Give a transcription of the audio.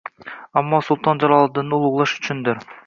Ammo sulton Jaloliddinni ulug‘lash uchundir.